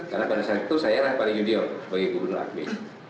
karena pada saat itu saya adalah pariunio bagi gubernur akmi